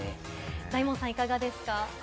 大門さん、いかがですか？